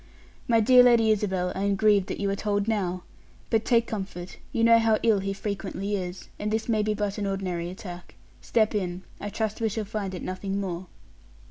"My dear Lady Isabel, I am grieved that you are told now. But take comfort; you know how ill he frequently is, and this may be but an ordinary attack. Step in. I trust we shall find it nothing more."